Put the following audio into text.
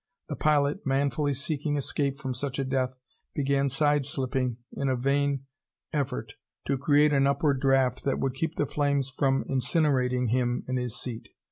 The pilot, manfully seeking escape from such a death, began side slipping in a vain effort to create an upward draft that would keep the flames from incinerating him in his seat.